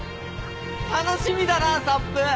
楽しみだなサップ。